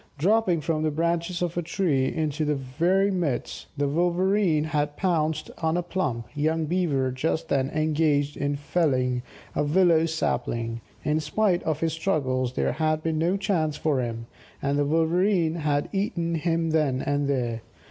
Dropping from the branches of a tree into their very midst, the Wolverene had pounced on a plump young Beaver just then engaged in felling a willow sapling; in spite of his struggles there had been no chance for him, and the Wolverene had eaten him then and there.